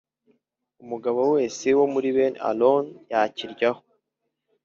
Umugabo wese wo muri bene Aroni yakiryaho